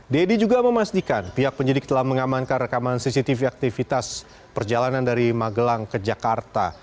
deddy juga memastikan pihak penyidik telah mengamankan rekaman cctv aktivitas perjalanan dari magelang ke jakarta